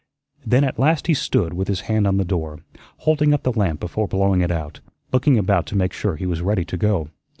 Then at last he stood with his hand on the door, holding up the lamp before blowing it out, looking about to make sure he was ready to go.